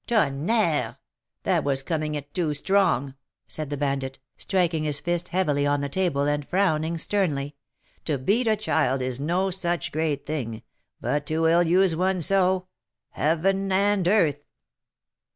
"Tonnerre! that was coming it too strong," said the bandit, striking his fist heavily on the table, and frowning sternly. "To beat a child is no such great thing, but to ill use one so Heaven and earth!"